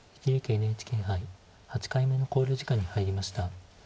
一力ＮＨＫ杯８回目の考慮時間に入りました。